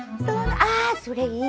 あそれいい。